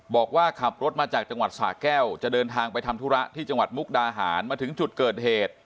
บอกว่าขับรถมาจากจังหวัดสาแก้วจะเดินทางไปทำธุระที่จังหวัดมุกดาหารมาถึงจุดเกิดเหตุ